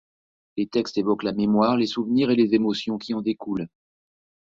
Les textes évoquent la mémoire, les souvenirs et les émotions qui en découlent.